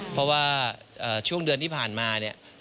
เพราะว่าช่วงเดือนที่ผ่านมาเนี่ย